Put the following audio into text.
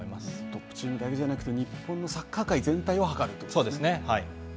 トップチームだけじゃなくて、日本のサッカー界全体をはかるとそうですね。